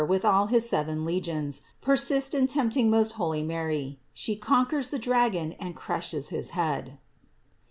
WITH AU, HIS SEVEN LEGIONS PERSISTS IN TEMPTING MOST HOLY MARY; SHE CONQUERS THE DRAGON AND CRUSHES HIS HEAD.